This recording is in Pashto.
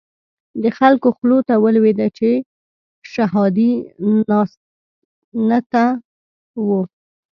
د خلکو خولو ته ولويده چې شهادي ناسنته وو.